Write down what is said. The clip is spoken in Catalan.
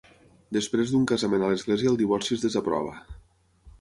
Després d'un casament a l'església el divorci es desaprova.